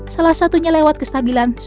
salah satunya lewat kestabilitas